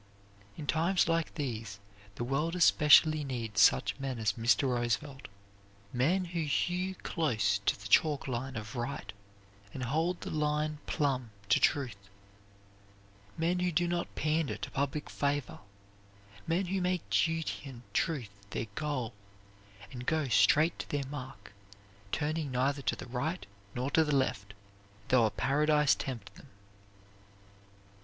In times like these the world especially needs such men as Mr. Roosevelt men who hew close to the chalk line of right and hold the line plumb to truth; men who do not pander to public favor; men who make duty and truth their goal and go straight to their mark, turning neither to the right nor to the left, though a paradise tempt them.